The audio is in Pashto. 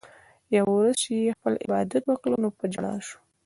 يوه ورځ چې ئې خپل عبادت وکړو نو پۀ ژړا شو